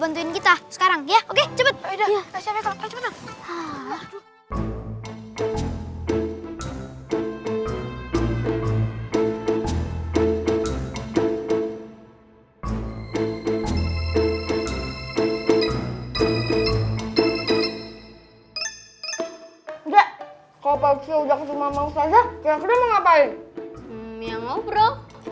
bantuin kita sekarang ya oke cepet udah udah kalau masih udah cuma mau saja ngapain ngobrol